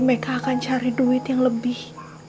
mereka akan cari duit yang lebih